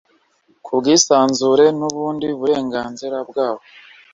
ku bwisanzure n ubundi burenganzira bwabo